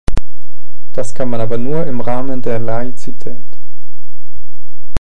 Das kann man aber nur im Rahmen der Laizität.